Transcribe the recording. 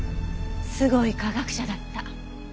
すごい科学者だった。